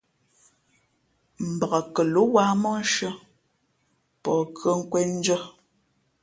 Mbak kάló wāha móhshʉ̄ᾱ pαh khʉᾱ nkwēn ndʉ̄ᾱ.